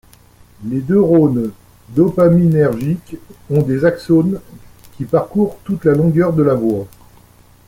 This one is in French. Les neurones dopaminergiques ont des axones qui parcourent toute la longueur de la voie.